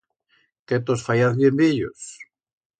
Que tos fayaz bien viellos.